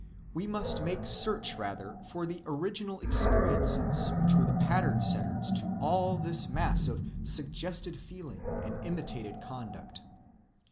We must make search rather for the original experiences which were the pattern‐setters to all this mass of suggested feeling and imitated conduct.